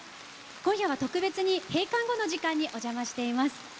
今夜は特別に閉館後の時間にお邪魔しています。